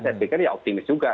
saya pikir ya optimis juga